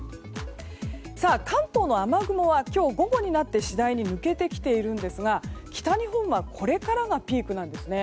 関東の雨雲は今日午後になって次第に抜けてきているんですが北日本はこれからがピークなんですね。